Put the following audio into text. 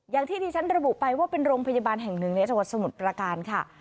อย่างที่ที่ฉันระบุไปว่าเป็นโรงพยาบาลแห่งหนึ่งในจังหวัดสมุทรประการค่ะ